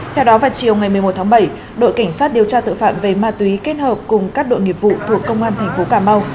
theo đó vào chiều ngày một mươi một tháng bảy đội cảnh sát điều tra tội phạm về ma túy kết hợp cùng các đội nghiệp vụ thuộc công an thành phố cà mau